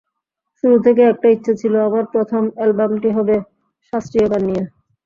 শুরু থেকেই একটা ইচ্ছা ছিল—আমার প্রথম অ্যালবামটি হবে শাস্ত্রীয় গান নিয়ে।